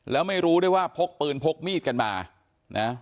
แล้วไม่รู้ด้วยว่าพกปืนพกมีดกันมานะ